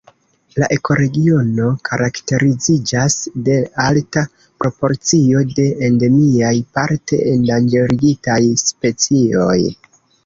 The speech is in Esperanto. La ekoregiono karakteriziĝas de alta proporcio de endemiaj, parte endanĝerigitaj specioj.